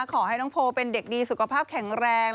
ขอให้น้องโพลเป็นเด็กดีสุขภาพแข็งแรง